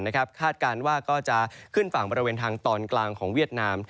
คาดการณ์ว่าก็จะขึ้นฝั่งบริเวณทางตอนกลางของเวียดนาม